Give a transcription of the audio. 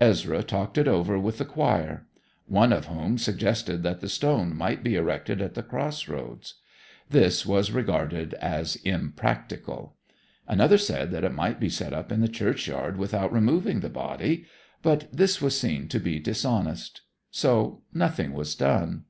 Ezra talked it over with the choir; one of whom suggested that the stone might be erected at the crossroads. This was regarded as impracticable. Another said that it might be set up in the churchyard without removing the body; but this was seen to be dishonest. So nothing was done.